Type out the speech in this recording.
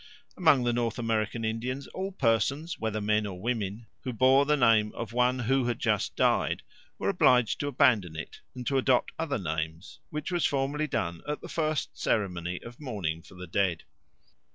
Among the North American Indians all persons, whether men or women, who bore the name of one who had just died were obliged to abandon it and to adopt other names, which was formally done at the first ceremony of mourning for the dead.